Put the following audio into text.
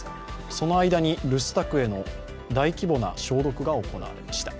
その間に、留守宅への大規模な消毒が行われました。